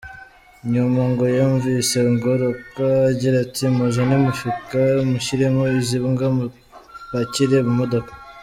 Nyuma ngo yumvise Ngoroka agira ati: “Muzane imifuka mushyiremo izi mbwa mupakire mu modoka.”